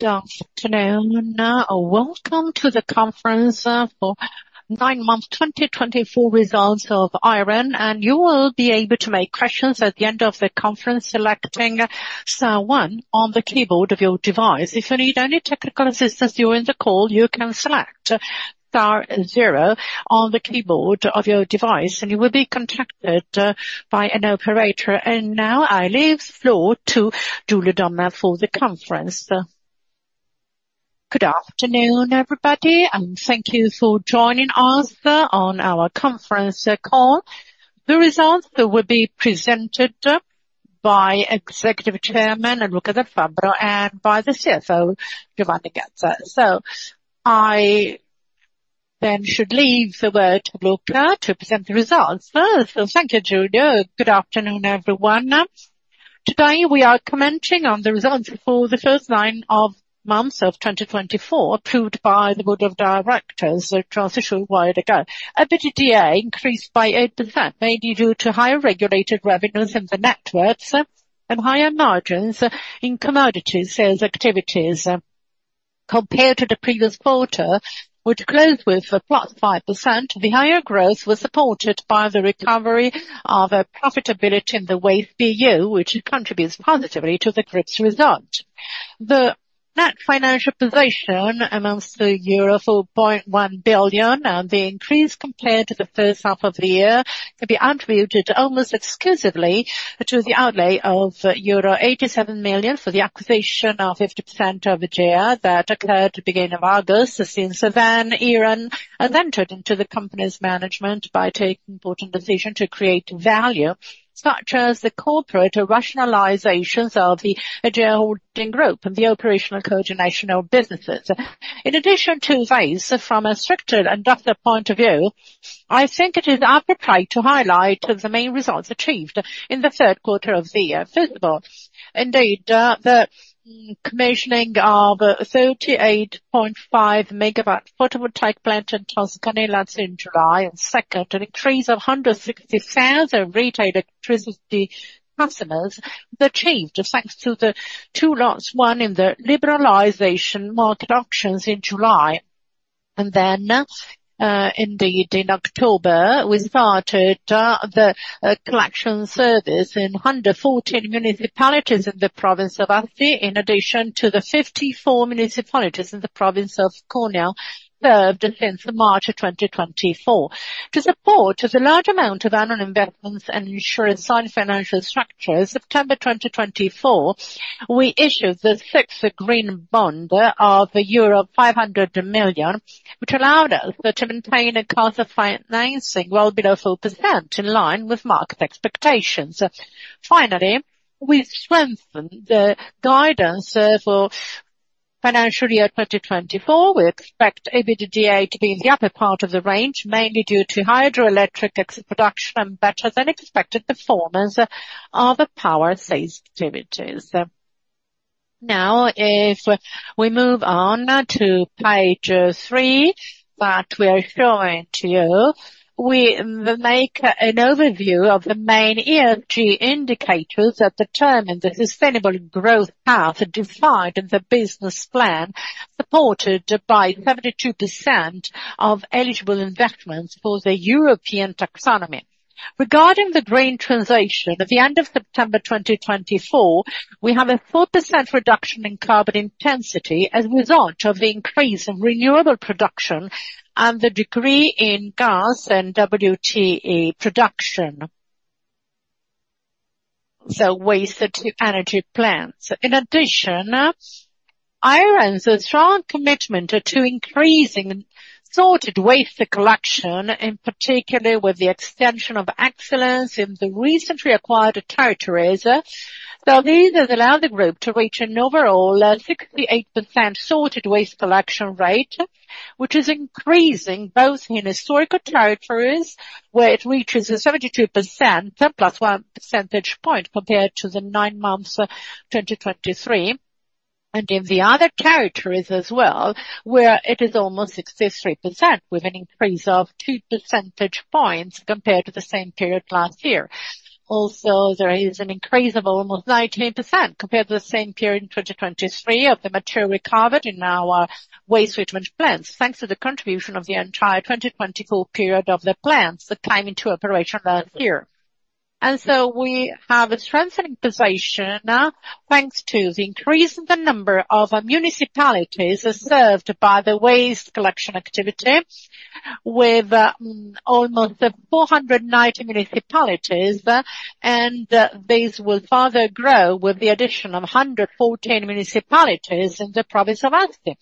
Good afternoon and welcome to the conference for nine-month 2024 results of Iren. And you will be able to make questions at the end of the conference, selecting star one on the keyboard of your device. If you need any technical assistance during the call, you can select star zero on the keyboard of your device, and you will be contacted by an operator. And now I leave the floor to Giulio Domma for the conference. Good afternoon, everybody, and thank you for joining us on our conference call. The results will be presented by Executive Chairman Luca Dal Fabbro and by the CFO, Giovanni Gazza. So I then should leave the word to Luca to present the results. So thank you, Giulio. Good afternoon, everyone. Today we are commenting on the results for the first nine months of 2024, approved by the Board of Directors just a short while ago. EBITDA increased by 8%, mainly due to higher regulated revenues in the networks and higher margins in commodity sales activities compared to the previous quarter, which closed with a plus 5%. The higher growth was supported by the recovery of profitability in the Waste BU, which contributes positively to the group's result. The net financial position amounts to euro 4.1 billion, and the increase compared to the first half of the year can be attributed almost exclusively to the outlay of euro 87 million for the acquisition of 50% of EGEA that occurred at the beginning of August. Since then, Iren ventured into the company's management by taking important decisions to create value, such as the corporate rationalizations of the EGEA Holding Group and the operational coordination of businesses. In addition to WTE, from a strictly industrial point of view, I think it is appropriate to highlight the main results achieved in the third quarter of the year. First of all, indeed, the commissioning of a 38.5 MW photovoltaic plant in Tuscania in July, and second, an increase of 160,000 retail electricity customers was achieved thanks to the two lots won in the liberalization market auctions in July, and then, indeed, in October, we started the collection service in 114 municipalities in the province of Asti, in addition to the 54 municipalities in the province of Cuneo served since March 2024. To support the large amount of annual investments and insurance and financial structures, September 2024, we issued the sixth green bond of euro 500 million, which allowed us to maintain a cost of financing well below 4% in line with market expectations. Finally, we strengthened the guidance for financial year 2024. We expect EBITDA to be in the upper part of the range, mainly due to hydroelectric production and better-than-expected performance of the power sales activities. Now, if we move on to page three that we are showing to you, we make an overview of the main ESG indicators that determine the sustainable growth path defined in the business plan, supported by 72% of eligible investments for the European taxonomy. Regarding the green transition, at the end of September 2024, we have a 4% reduction in carbon intensity as a result of the increase in renewable production and the decrease in gas and WTE production, so waste-to-energy plants. In addition, Iren's strong commitment to increasing sorted waste collection, in particular with the extension of excellence in the recently acquired territories, so these have allowed the group to reach an overall 68% sorted waste collection rate, which is increasing both in historical territories where it reaches 72%, plus one percentage point compared to the nine months 2023, and in the other territories as well where it is almost 63%, with an increase of two percentage points compared to the same period last year. Also, there is an increase of almost 19% compared to the same period in 2023 of the material recovered in our waste treatment plants, thanks to the contribution of the entire 2024 period of the plants that came into operation last year. And so we have a strengthening position thanks to the increase in the number of municipalities served by the waste collection activity, with almost 490 municipalities, and these will further grow with the addition of 114 municipalities in the province of Asti.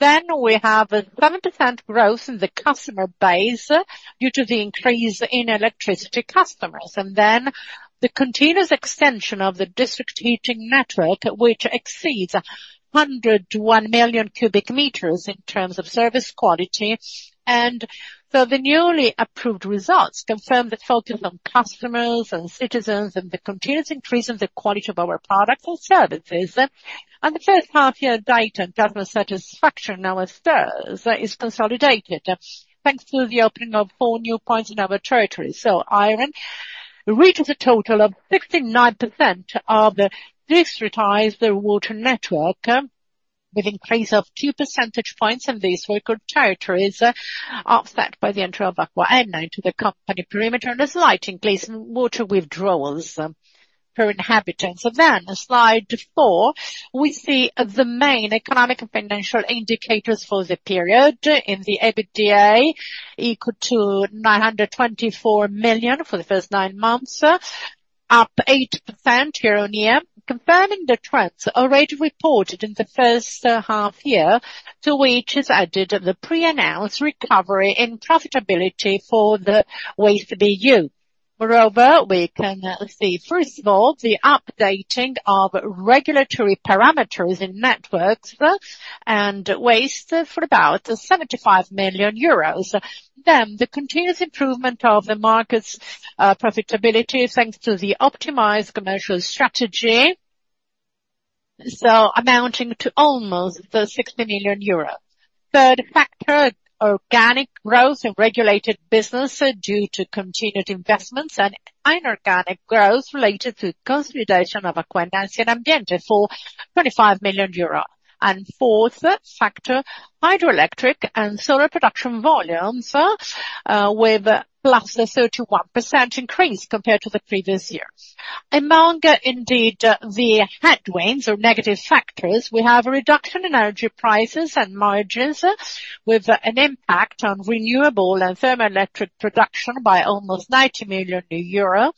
Then we have a 7% growth in the customer base due to the increase in electricity customers, and then the continuous extension of the district heating network, which exceeds 101 million cubic meters in terms of service quality. And so the newly approved results confirm the focus on customers and citizens and the continuous increase in the quality of our products and services. The first half-year data and customer satisfaction now, as such, is consolidated thanks to the opening of four new points in our territory. Iren reaches a total of 69% of the districtized water network with an increase of two percentage points in these focal territories offset by the entry of AcquaEnna into the company perimeter and a slight increase in water withdrawals per inhabitant. So then, slide four, we see the main economic and financial indicators for the period in the EBITDA equal to 924 million for the first nine months, up 8% year-on-year, confirming the trends already reported in the first half year to which is added the pre-announced recovery in profitability for the Waste BU. Moreover, we can see, first of all, the updating of regulatory parameters in networks and waste for about 75 million euros. Then the continuous improvement of the market's profitability thanks to the optimized commercial strategy, so amounting to almost 60 million euros. Third factor, organic growth in regulated business due to continued investments and inorganic growth related to the consolidation of AcquaEnna and Siena Ambiente for 25 million euro. And fourth factor, hydroelectric and solar production volumes with plus a 31% increase compared to the previous year. Among, indeed, the headwinds or negative factors, we have a reduction in energy prices and margins with an impact on renewable and thermoelectric production by almost 90 million euros.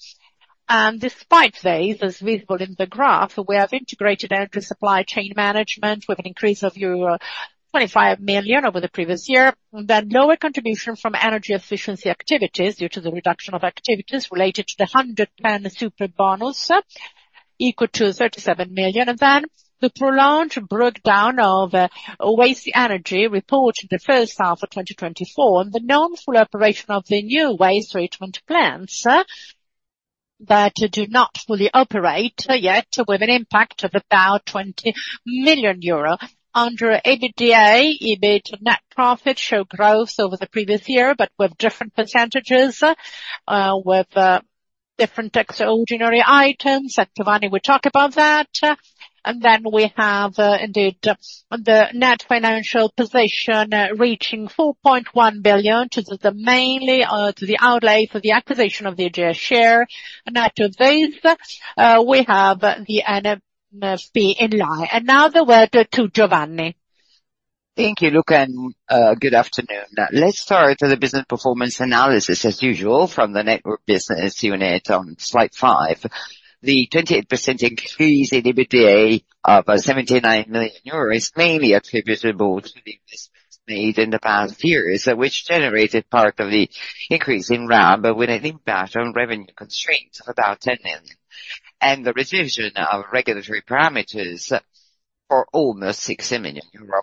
And despite these, as visible in the graph, we have integrated energy supply chain management with an increase of 25 million over the previous year. Then lower contribution from energy efficiency activities due to the reduction of activities related to the 110% Superbonus equal to 37 million. And then the prolonged breakdown of waste-to-energy reported in the first half of 2024 and the non-full operation of the new waste treatment plants that do not fully operate yet, with an impact of about 20 million euro under EBITDA. EBIT net profit showed growth over the previous year, but with different percentages, with different extraordinary items. And Giovanni will talk about that. And then we have indeed the net financial position reaching 4.1 billion due mainly to the outlay for the acquisition of the EGEA share. And after this, we have the NFP in line. And now the word to Giovanni. Thank you, Luca, and good afternoon. Let's start with the business performance analysis, as usual, from the network business unit on slide five. The 28% increase in EBITDA of 79 million euros is mainly attributable to the investments made in the past years, which generated part of the increase in RAB with an impact on revenue constraints of about 10 million and the revision of regulatory parameters for almost 6 million euros.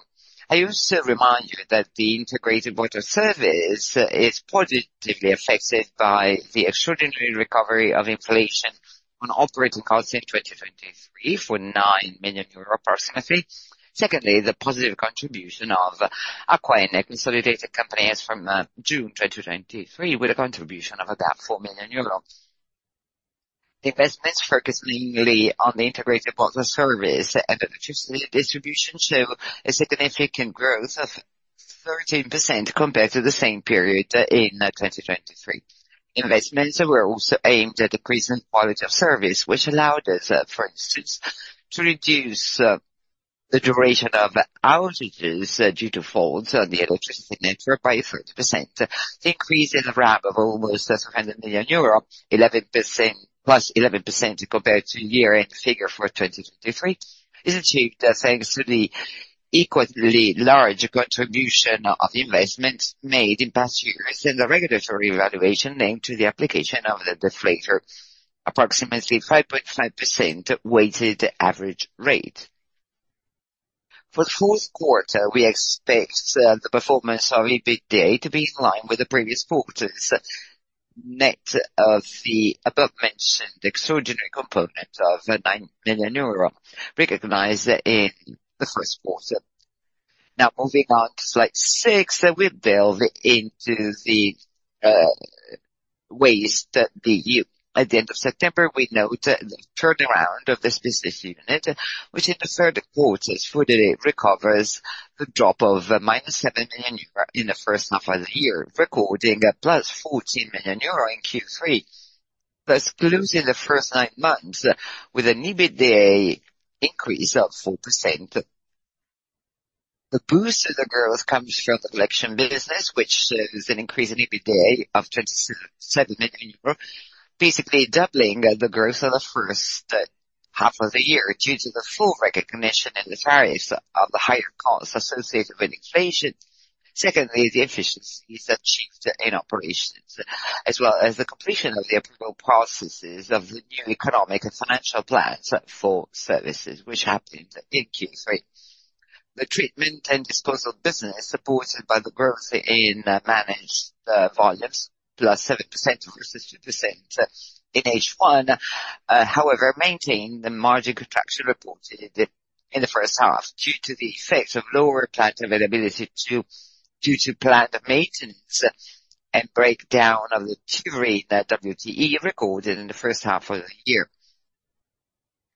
I also remind you that the integrated water service is positively affected by the extraordinary recovery of inflation on operating costs in 2023 for 9 million euro approximately. Secondly, the positive contribution of AcquaEnna and consolidated companies from June 2023 with a contribution of about 4 million euros. The investments focused mainly on the integrated water service and electricity distribution show a significant growth of 13% compared to the same period in 2023. Investments were also aimed at increasing quality of service, which allowed us, for instance, to reduce the duration of outages due to faults on the electricity network by 30%. The increase in the RAB of almost 100 million euro, plus 11% compared to year-end figure for 2023, is achieved thanks to the equally large contribution of investments made in past years in the regulatory evaluation linked to the application of the deflator, approximately 5.5% weighted average rate. For the fourth quarter, we expect the performance of EBITDA to be in line with the previous quarter's net of the above-mentioned extraordinary component of 9 million euro recognized in the first quarter. Now, moving on to slide six, we delve into the waste. That at the end of September, we note the turnaround of this business unit, which in the third quarter fully recovers the drop of 7 million euro in the first half of the year, recording plus 14 million euro in Q3, thus closing the first nine months with an EBITDA increase of 4%. The boost to the growth comes from the collection business, which shows an increase in EBITDA of 27 million euro, basically doubling the growth of the first half of the year due to the full recognition in the tariffs of the higher costs associated with inflation. Secondly, the efficiencies achieved in operations, as well as the completion of the approval processes of the new economic and financial plans for services, which happened in Q3. The treatment and disposal business, supported by the growth in managed volumes, plus 7% versus 2% in H1, however, maintained the margin contraction reported in the first half due to the effect of lower plant availability due to plant maintenance and breakdown of the Turin WTE recorded in the first half of the year.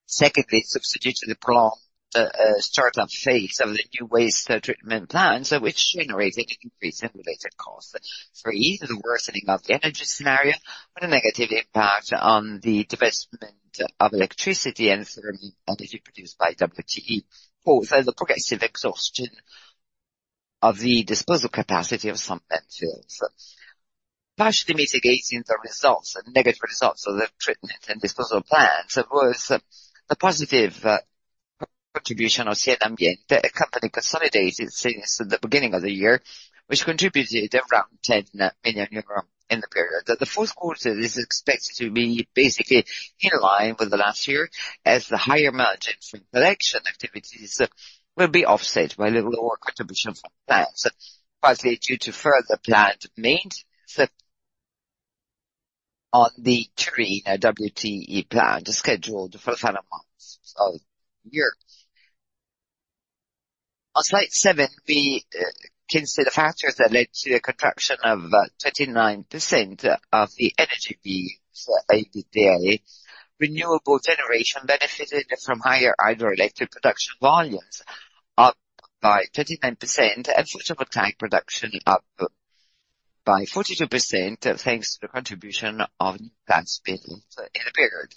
Secondly, substituted the prolonged startup phase of the new waste treatment plants, which generated an increase in related costs for either the worsening of the energy scenario or the negative impact on the development of electricity and thermal energy produced by WTE, both the progressive exhaustion of the disposal capacity of some landfills. Partially mitigating the results, the negative results of the treatment and disposal plants, was the positive contribution of Siena Ambiente, a company consolidated since the beginning of the year, which contributed around 10 million euros in the period. The fourth quarter is expected to be basically in line with the last year, as the higher margin for collection activities will be offset by the lower contribution from plants, partly due to further plant maintenance on the Turin WTE plant scheduled for the final months of the year. On slide seven, we can see the factors that led to the contraction of 29% of the energy-based EBITDA. Renewable generation benefited from higher hydroelectric production volumes up by 29% and photovoltaic production up by 42% thanks to the contribution of new plants built in the period.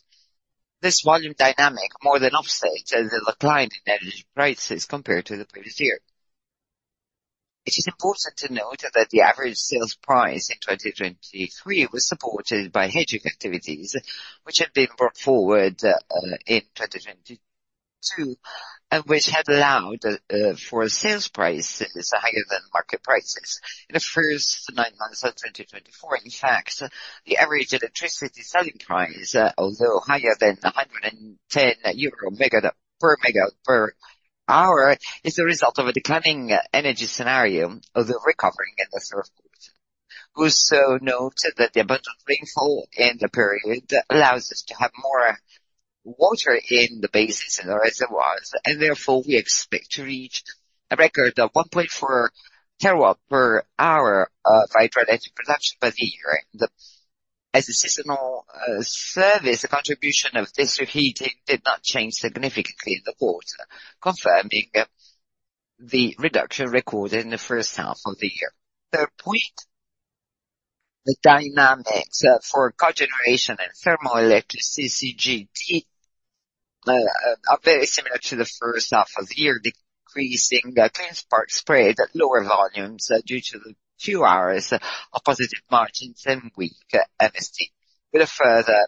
This volume dynamic more than offsets the decline in energy prices compared to the previous year. It is important to note that the average sales price in 2023 was supported by hedging activities, which had been brought forward in 2022 and which had allowed for sales prices higher than market prices in the first nine months of 2024. In fact, the average electricity selling price, although higher than 110 euro per megawatt per hour, is the result of a declining energy scenario, although recovering in the third quarter. Also, note that the abundant rainfall in the period allows us to have more water in the basins and the reservoirs, and therefore we expect to reach a record of 1.4 terawatt per hour of hydroelectric production by the year. As a seasonal service, the contribution of district heating did not change significantly in the quarter, confirming the reduction recorded in the first half of the year. Third point, the dynamics for cogeneration and thermal electricity CCGT are very similar to the first half of the year, decreasing Clean Spark Spread at lower volumes due to the few hours of positive margins and weak MSD, with a further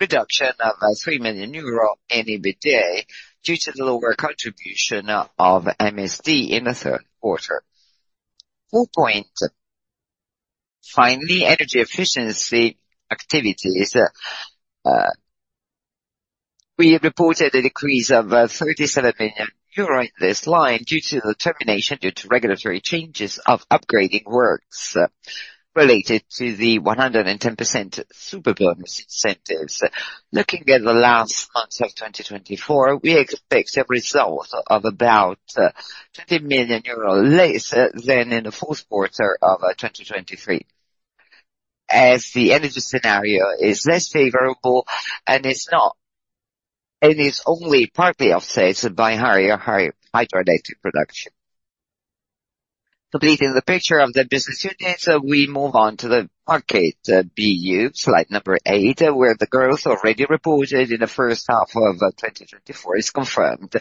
reduction of 3 million euro in EBITDA due to the lower contribution of MSD in the third quarter. Fourth point, finally, energy efficiency activities. We reported a decrease of 37 million euro in this line due to the termination due to regulatory changes of upgrading works related to the 110% Superbonus incentives. Looking at the last month of 2024, we expect a result of about 20 million euros less than in the fourth quarter of 2023, as the energy scenario is less favorable and is only partly offset by higher hydroelectric production. Completing the picture of the business unit, we move on to the market BU, slide number eight, where the growth already reported in the first half of 2024 is confirmed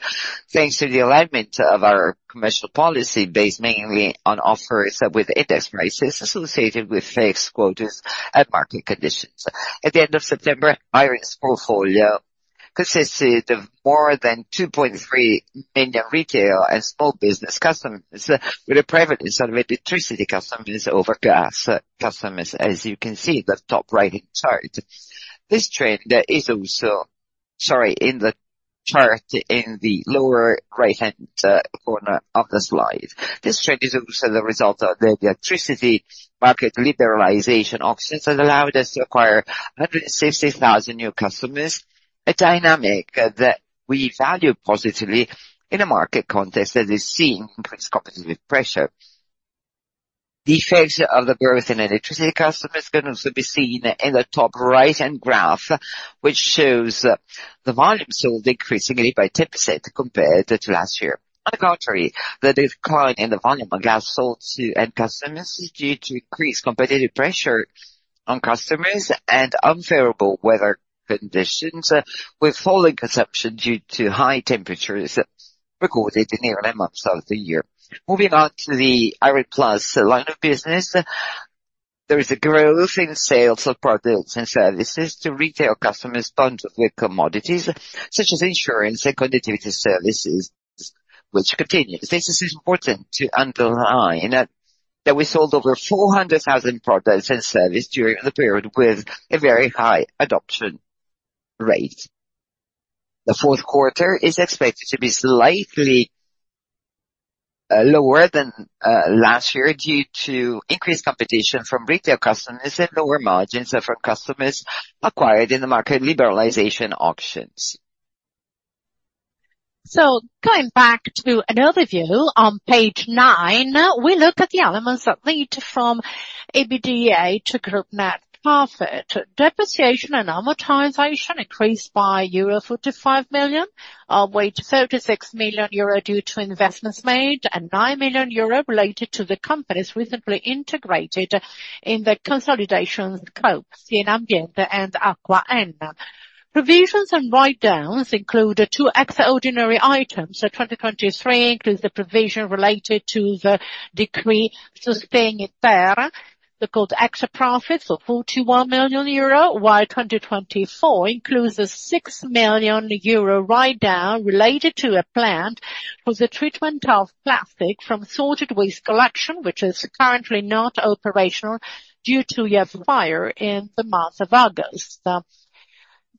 thanks to the alignment of our commercial policy based mainly on offers with index prices associated with fixed quotas and market conditions. At the end of September, Iren's portfolio consisted of more than 2.3 million retail and small business customers, with a prevalence of electricity customers over gas customers, as you can see in the top right-hand chart. This trend is also in the chart in the lower right-hand corner of the slide. This trend is also the result of the electricity market liberalization options that allowed us to acquire 160,000 new customers, a dynamic that we value positively in a market context that is seeing increased competitive pressure. The effects of the growth in electricity customers can also be seen in the top right-hand graph, which shows the volume sold increasingly by 10% compared to last year. On the contrary, the decline in the volume of gas sold to end customers is due to increased competitive pressure on customers and unfavorable weather conditions, with falling consumption due to high temperatures recorded in the early months of the year. Moving on to the Iren Plus line of business, there is a growth in sales of products and services to retail customers bundled with commodities such as insurance and connectivity services, which continues. This is important to underline that we sold over 400,000 products and services during the period with a very high adoption rate. The fourth quarter is expected to be slightly lower than last year due to increased competition from retail customers and lower margins from customers acquired in the market liberalization options. Going back to an overview on page nine, we look at the elements that lead from EBITDA to group net profit. Depreciation and amortization increased by euro 45 million, of which 36 million euro due to investments made, and 9 million euro related to the companies recently integrated in the consolidation scope, Siena Ambiente and AcquaEnna. Provisions and write-downs include two extraordinary items. 2023 includes the provision related to the decree on the so-called extra profits of 41 million euro, while 2024 includes a 6 million euro write-down related to a plant for the treatment of plastic from sorted waste collection, which is currently not operational due to a fire in the month of August.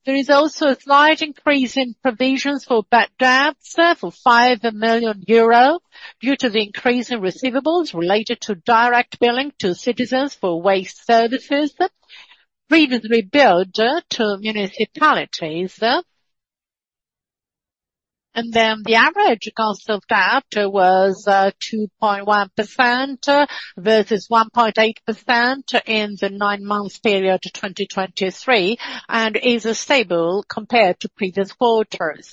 There is also a slight increase in provisions for bad debts for 5 million euro due to the increase in receivables related to direct billing to citizens for waste services, previously billed to municipalities. And then the average cost of that was 2.1% versus 1.8% in the nine-month period of 2023 and is stable compared to previous quarters.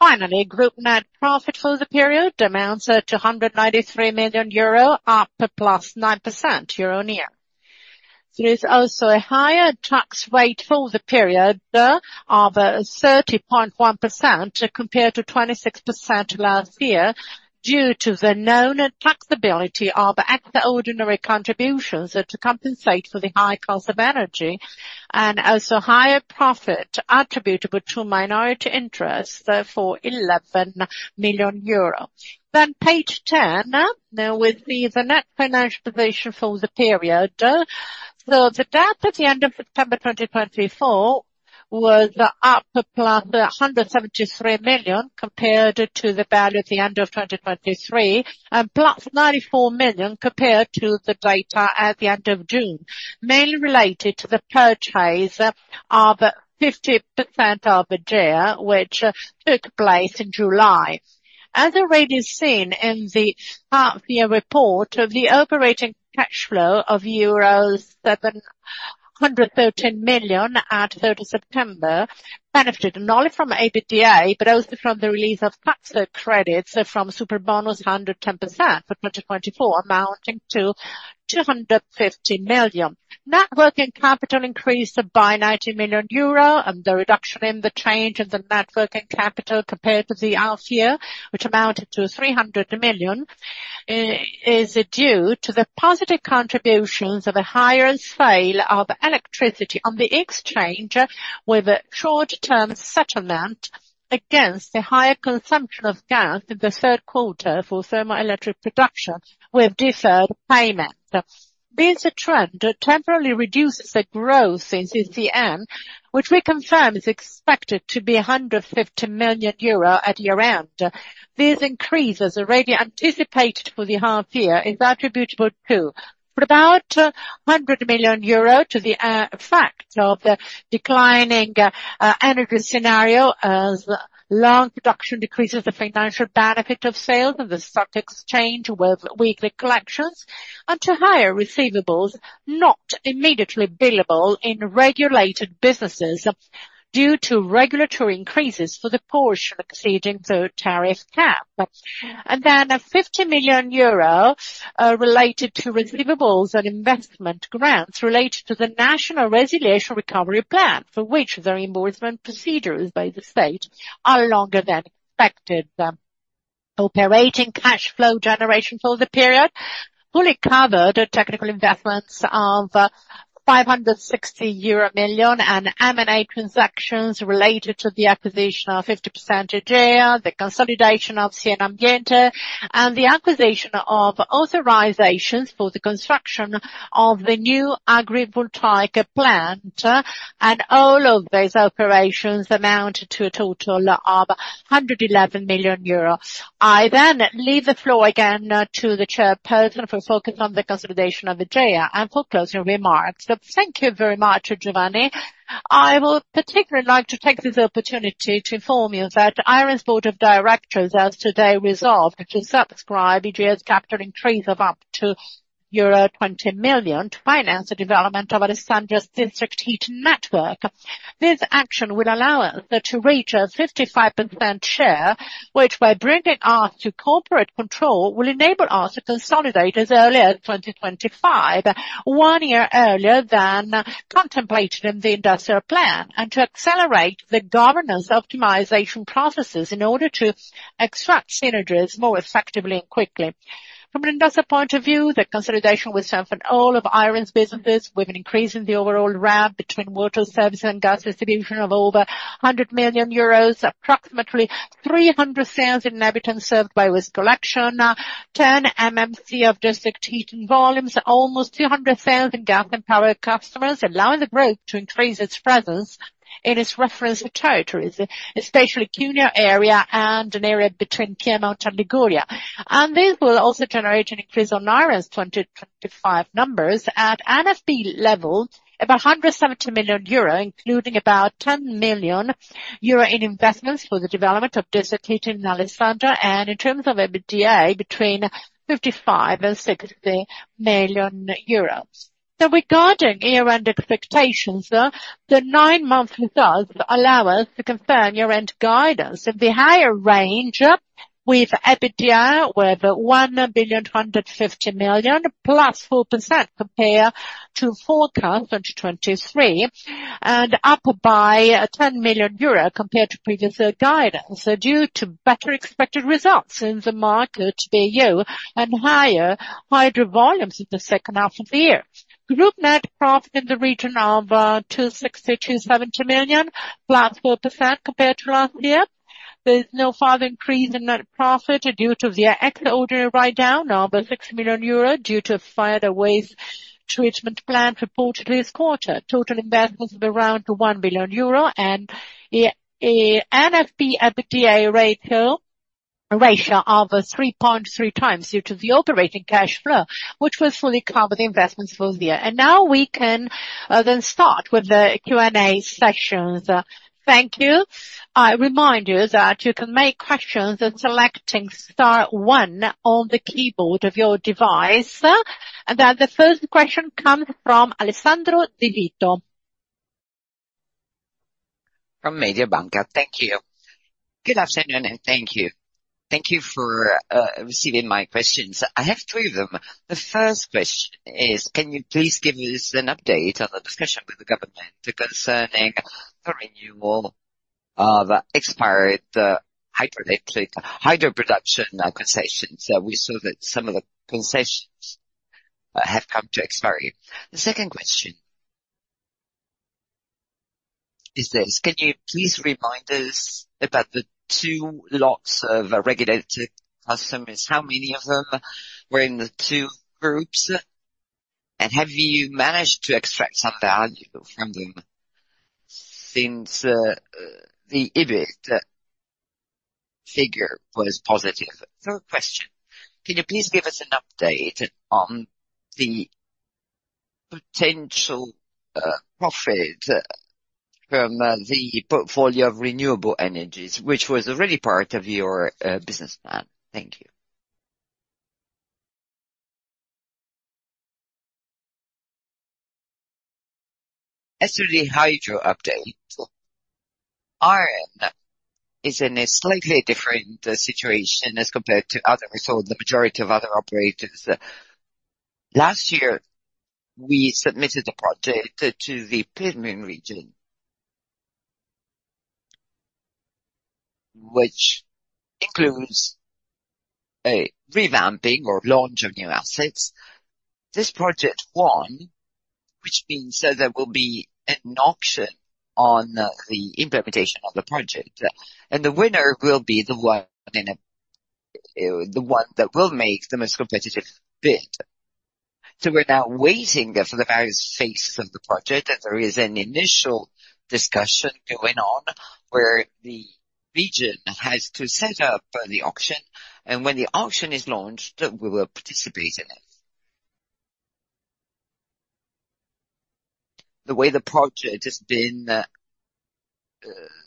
Finally, group net profit for the period amounts to 193 million euro, up plus 9% year-on-year. There is also a higher tax rate for the period of 30.1% compared to 26% last year due to the known taxability of extraordinary contributions to compensate for the high cost of energy and also higher profit attributable to minority interest for 11 million euros. Then page ten, now with the net financial position for the period. So the debt at the end of September 2024 was up plus 173 million compared to the value at the end of 2023 and plus 94 million compared to the data at the end of June, mainly related to the purchase of 50% of the share, which took place in July. As already seen in the half-year report, the operating cash flow of euro 713 million at 30 September benefited not only from EBITDA, but also from the release of tax credits from 110% Superbonus for 2024, amounting to 250 million. Net working capital increased by 90 million euro and the reduction in the change of the net working capital compared to the half-year, which amounted to 300 million, is due to the positive contributions of a higher sale of electricity on the exchange with a short-term settlement against the higher consumption of gas in the third quarter for thermal electric production with deferred payment. This trend temporarily reduces the growth in CCN, which we confirm is expected to be 150 million euro at year-end. This increase, as already anticipated for the half-year, is attributable to about 100 million euro to the fact of the declining energy scenario as long production decreases the financial benefit of sales of the stock exchange with weekly collections and to higher receivables not immediately billable in regulated businesses due to regulatory increases for the portion exceeding the tariff cap, and then 50 million euro related to receivables and investment grants related to the National Resilience Recovery Plan, for which the reimbursement procedures by the state are longer than expected. Operating cash flow generation for the period fully covered technical investments of 560 million euro and M&A transactions related to the acquisition of 50% of EGEA, the consolidation of Siena Ambiente, and the acquisition of authorizations for the construction of the new agrivoltaic plant, and all of these operations amounted to a total of 111 million euro. I then leave the floor again to the chairperson for focus on the consolidation of EGEA and for closing remarks. Thank you very much, Giovanni. I would particularly like to take this opportunity to inform you that Iren's board of directors has today resolved to subscribe EGEA capital increase of up to euro 20 million to finance the development of Alessandria's district heat network. This action will allow us to reach a 55% share, which, by bringing us to corporate control, will enable us to consolidate as early as 2025, one year earlier than contemplated in the industrial plan, and to accelerate the governance optimization processes in order to extract synergies more effectively and quickly. From an industrial point of view, the consolidation will serve all of Iren's businesses, with an increase in the overall RAB between water services and gas distribution of over 100 million euros, approximately 300,000 inhabitants served by waste collection, 10 MMC of district heating volumes, almost 200,000 gas and power customers, allowing the group to increase its presence in its reference territories, especially the Cuneo area and an area between Chioma and Liguria. And this will also generate an increase on Iren's 2025 numbers at NFP level of 170 million euro, including about 10 million euro in investments for the development of district heating in Alessandria and, in terms of EBITDA, between 55 and 60 million euros. So regarding year-end expectations, the nine-month results allow us to confirm year-end guidance in the higher range with EBITDA of 1,250 million, plus 4% compared to forecast 2023, and up by 10 million euro compared to previous guidance due to better expected results in the market BU and higher hydro volumes in the second half of the year. Group net profit in the region of 260 million to 270 million, plus 4% compared to last year. There is no further increase in net profit due to the extraordinary write-down of 6 million euro due to waste-to-energy treatment plant reportedly this quarter. Total investments of around 1 billion euro and NFP EBITDA ratio of 3.3 times due to the operating cash flow, which was fully covered investments for the year. And now we can then start with the Q&A sessions. Thank you. I remind you that you can make questions by selecting star one on the keyboard of your device. Then the first question comes from Alessandro Di Vito from Mediobanca, Thank you. Good afternoon and thank you. Thank you for receiving my questions. I have three of them. The first question is, can you please give us an update on the discussion with the government concerning the renewal of expired hydroelectric hydro production concessions? We saw that some of the concessions have come to expiry. The second question is this: can you please remind us about the two lots of regulated customers? How many of them were in the two groups? And have you managed to extract some value from them since the EBIT figure was positive? Third question: can you please give us an update on the potential profit from the portfolio of renewable energies, which was already part of your business plan? Thank you. As to Hydro update. Iren is in a slightly different situation as compared to other, we saw the majority of other operators. Last year, we submitted a project to the Piedmont region, which includes a revamping or launch of new assets. This project won, which means there will be an auction on the implementation of the project. And the winner will be the one that will make the most competitive bid. So we're now waiting for the various phases of the project, and there is an initial discussion going on where the region has to set up the auction. And when the auction is launched, we will participate in it. The way the project has been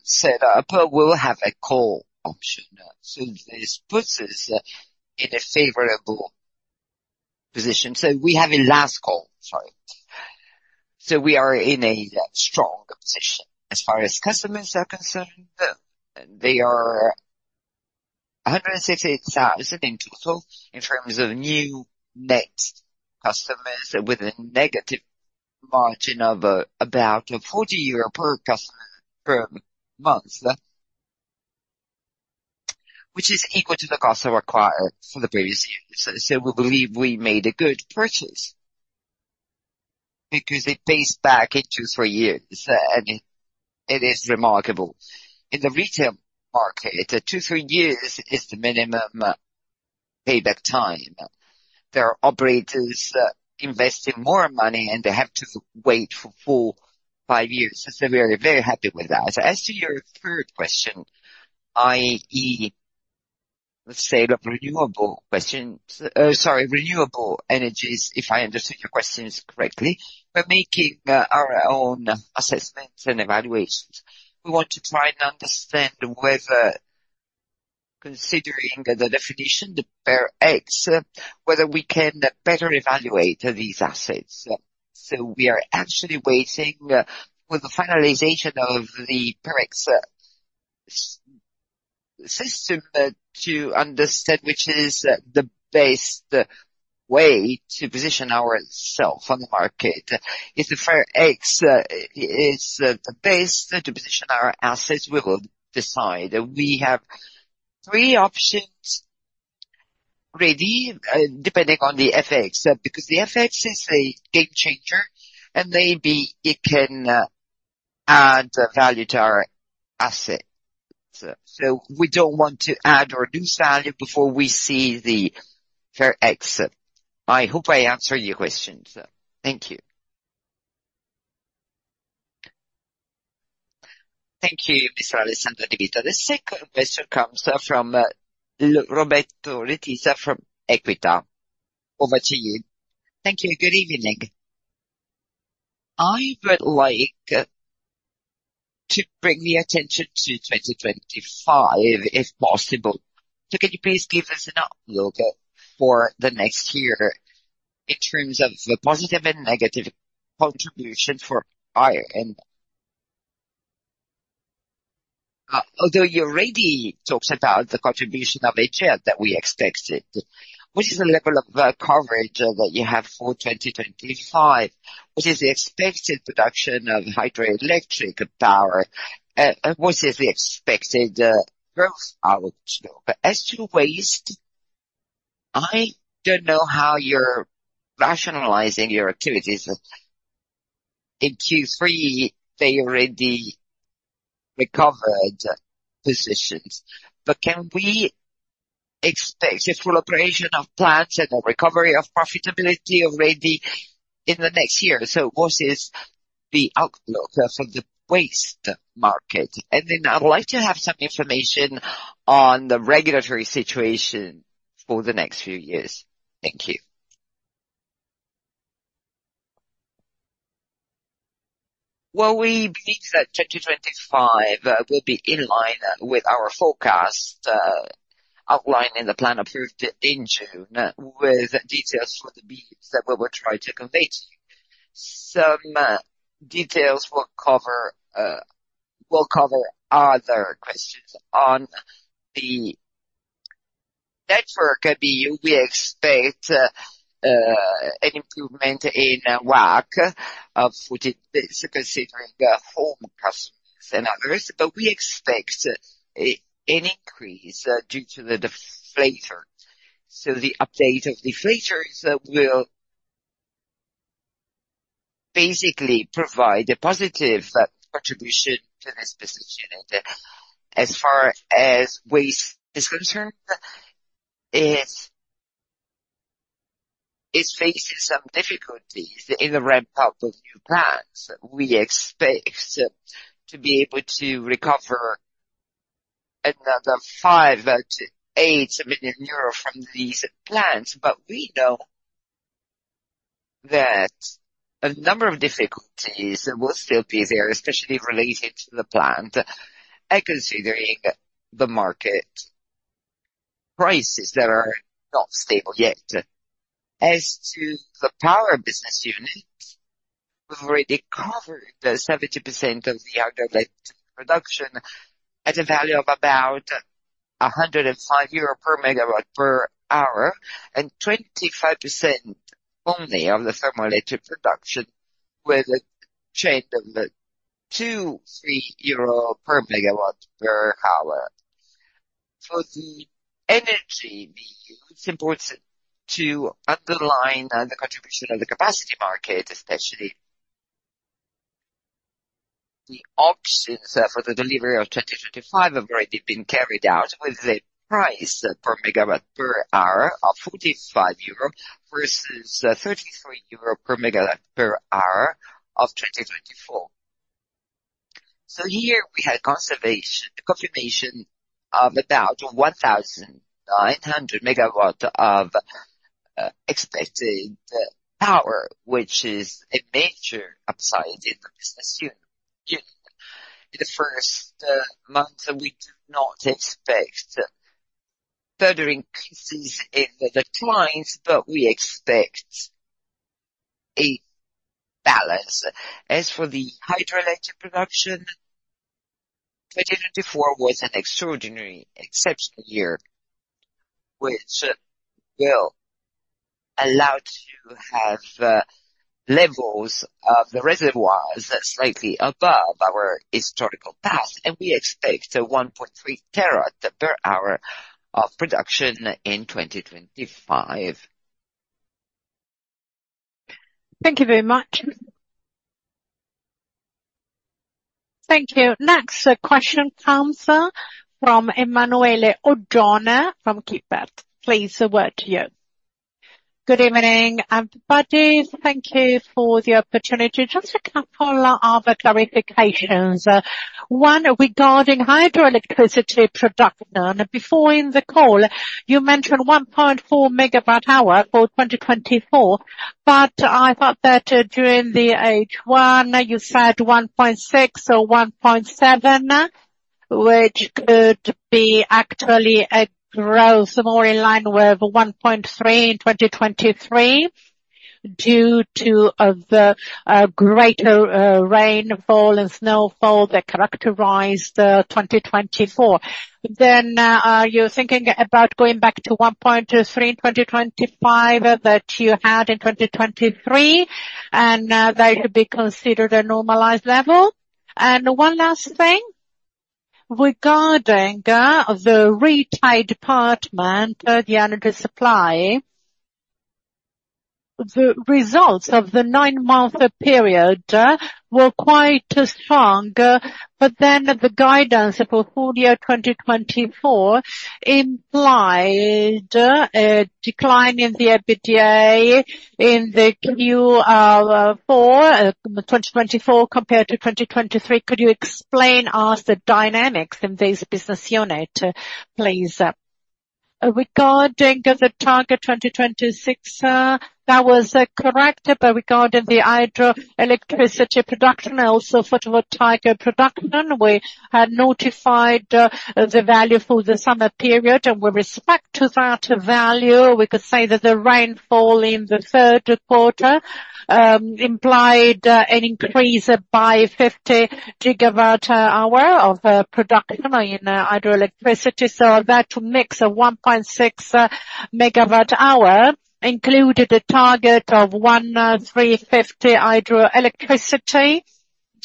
set up, we'll have a call option. So this puts us in a favorable position. So we have a last call, sorry. So we are in a strong position as far as customers are concerned. They are 168,000 in total in terms of new net customers with a negative margin of about EUR 40 per customer per month, which is equal to the cost required for the previous years. So we believe we made a good purchase because it pays back in two, three years, and it is remarkable. In the retail market, two, three years is the minimum payback time. There are operators investing more money, and they have to wait for four, five years. So we're very happy with that. As to your third question, i.e., the state of renewable questions, sorry, renewable energies, if I understood your questions correctly, we're making our own assessments and evaluations. We want to try and understand whether, considering the definition, the FER-X, whether we can better evaluate these assets. We are actually waiting for the finalization of the FER-X system to understand which is the best way to position ourselves on the market. If the FER-X is the best to position our assets, we will decide. We have three options ready, depending on the FER-X, because the FER-X is a game changer, and maybe it can add value to our assets. So we don't want to add or lose value before we see the FER-X. I hope I answered your questions. Thank you. Thank you, Mr. Alessandro Di Vito. The second question comes from Roberto Letizia from Equita over to you. Thank you. Good evening. I would like to bring the attention to 2025, if possible. So can you please give us an outlook for the next year in terms of positive and negative contributions for Iren? Although you already talked about the contribution of hydro that we expected, what is the level of coverage that you have for 2025? What is the expected production of hydroelectric power? What is the expected growth outlook? As to waste, I don't know how you're rationalizing your activities. In Q3, they already recovered positions. But can we expect full operation of plants and the recovery of profitability already in the next year? So what is the outlook for the waste market? And then I'd like to have some information on the regulatory situation for the next few years. Thank you. We believe that 2025 will be in line with our forecast outline in the plan approved in June, with details for the BUs that we will try to convey to you. Some details will cover other questions. On the network BU, we expect an improvement in WAC for considering home customers and others, but we expect an increase due to the deflator. So the update of deflators will basically provide a positive contribution to this position. As far as waste is concerned, it's facing some difficulties in the ramp-up of new plants. We expect to be able to recover another 5 million-8 million euros from these plants, but we know that a number of difficulties will still be there, especially related to the plant, considering the market prices that are not stable yet. As to the power business unit, we've already covered 70% of the hydroelectric production at a value of about 105 euro per megawatt per hour, and 25% only of the thermal electric production with a change of 2-3 euro per megawatt per hour. For the energy BU, it's important to underline the contribution of the capacity market, especially the options for the delivery of 2025 have already been carried out with a price per megawatt per hour of 45 euro versus 33 euro per megawatt per hour of 2024. So here we have a confirmation of about 1,900 megawatts of expected power, which is a major upside in the business unit. In the first month, we do not expect further increases in the declines, but we expect a balance. As for the hydroelectric production, 2024 was an extraordinary, exceptional year, which will allow us to have levels of the reservoirs slightly above our historical path. And we expect a 1.3 terawatt per hour of production in 2025. Thank you very much. Thank you. Next question from Emanuele Oggioni from Kepler Cheuvreux. Please, the word to you. Good evening, everybody. Thank you for the opportunity. Just a couple of clarifications. One, regarding hydroelectricity production. Before in the call, you mentioned 1.4 MWh for 2024, but I thought that during the H1, you said 1.6 or 1.7, which could be actually a growth more in line with 1.3 in 2023 due to the greater rainfall and snowfall that characterized 2024. Then you're thinking about going back to 1.3 in 2025 that you had in 2023, and that could be considered a normalized level. One last thing, regarding the retail department, the energy supply, the results of the nine-month period were quite strong, but then the guidance for full year 2024 implied a decline in the EBITDA in Q4 2024 compared to 2023. Could you explain us the dynamics in this business unit, please? Regarding the target 2026, that was correct, but regarding the hydroelectricity production and also photovoltaic production, we had notified the value for the summer period, and with respect to that value, we could say that the rainfall in the third quarter implied an increase by 50 GWh of production in hydroelectricity. So that mix of 1.6 MWh included a target of 1,350 hydroelectricity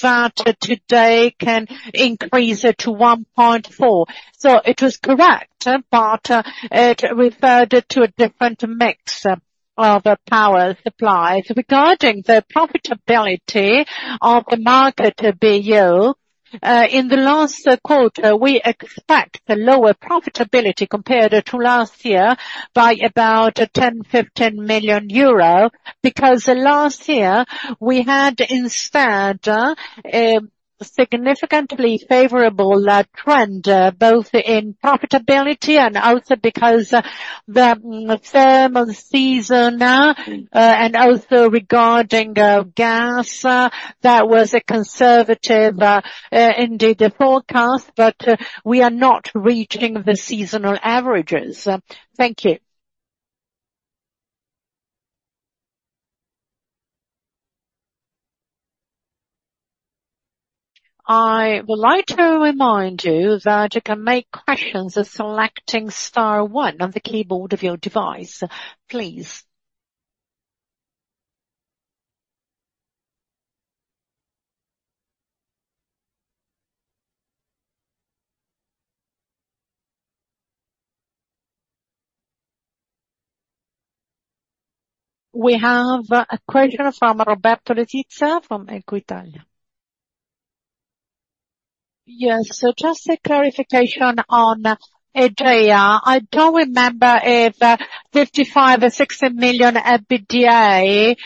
that today can increase to 1.4. So it was correct, but it referred to a different mix of power supplies. Regarding the profitability of the market BU, in the last quarter, we expect a lower profitability compared to last year by about 10 million-15 million euro because last year we had instead a significantly favorable trend both in profitability and also because the thermal season and also regarding gas, that was a conservative indeed forecast, but we are not reaching the seasonal averages. Thank you. I would like to remind you that you can make questions selecting Star 1 on the keyboard of your device, please. We have a question from Roberto Letizia from Equita. Yes. So just a clarification on EGEA. I don't remember if 55 million or 60 million EBITDA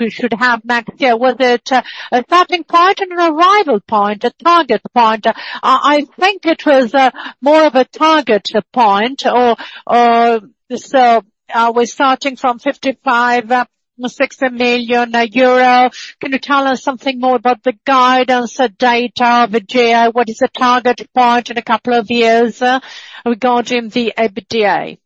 we should have next year. Was it a starting point and an arrival point, a target point? I think it was more of a target point. So are we starting from 55 million-60 million euro? Can you tell us something more about the guidance data of EGEA? What is the target point in a couple of years regarding the EBITDA?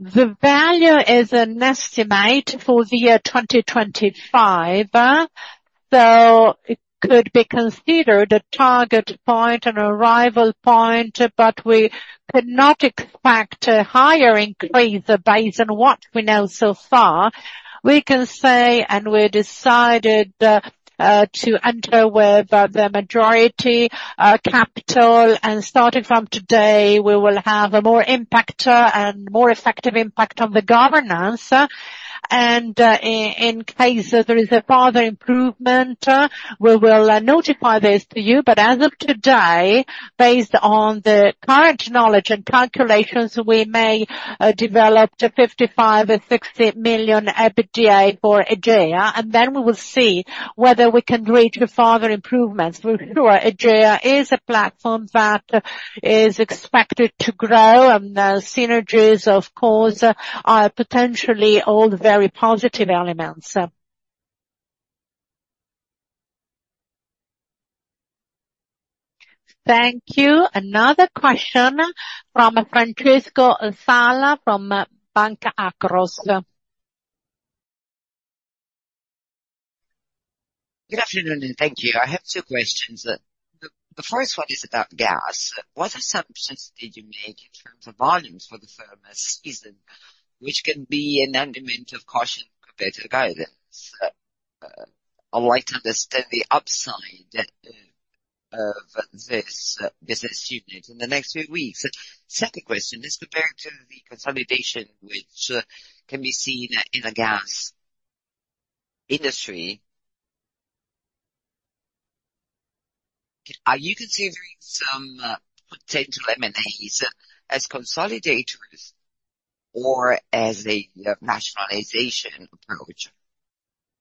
The value is an estimate for the year 2025, so it could be considered a target point and arrival point, but we could not expect a higher increase based on what we know so far. We can say, and we've decided to enter with the majority capital, and starting from today, we will have a more impact and more effective impact on the governance. In case there is a further improvement, we will notify this to you. As of today, based on the current knowledge and calculations, we may develop to 55 million, 60 million EBITDA for EGEA, and then we will see whether we can reach further improvements. For sure, EGEA is a platform that is expected to grow, and synergies, of course, are potentially all very positive elements. Thank you. Another question from Francesco Sala from Banca Akros. Good afternoon, and thank you. I have two questions. The first one is about gas. What assumptions did you make in terms of volumes for the thermal season, which can be an element of caution compared to guidance? I'd like to understand the upside of this business unit in the next few weeks. Second question is compared to the consolidation, which can be seen in the gas industry. Are you considering some potential M&As as consolidators or as a rationalization approach,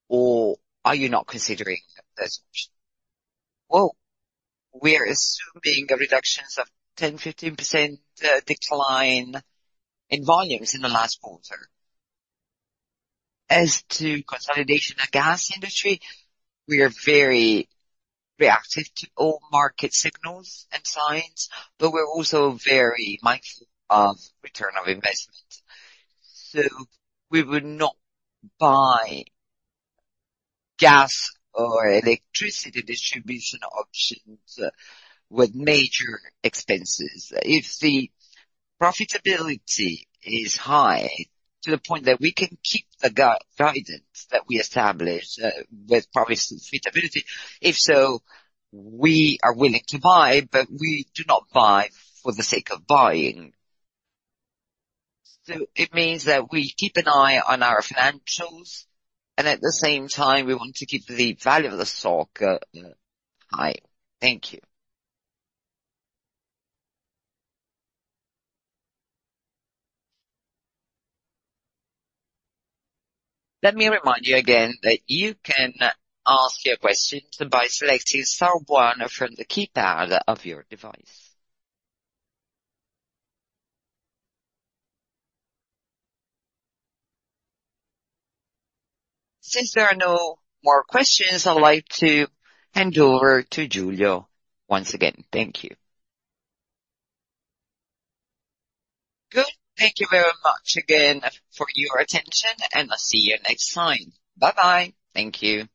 or are you not considering those options? Well, we're assuming a reduction of 10%-15% decline in volumes in the last quarter. As to consolidation in the gas industry, we are very reactive to all market signals and signs, but we're also very mindful of return on investment. So we would not buy gas or electricity distribution options with major expenses. If the profitability is high to the point that we can keep the guidance that we established with profitability, if so, we are willing to buy, but we do not buy for the sake of buying. So it means that we keep an eye on our financials, and at the same time, we want to keep the value of the stock high. Thank you. Let me remind you again that you can ask your questions by selecting Star 1 from the keypad of your device. Since there are no more questions, I'd like to hand over to Giulio once again. Thank you. Good. Thank you very much again for your attention, and I'll see you next time. Bye-bye. Thank you.